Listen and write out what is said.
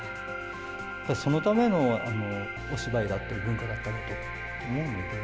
そのためのお芝居だったり文化だったりって思うので。